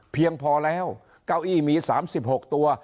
เพียงพอแล้วเก้าอี้มี๓๖ตัว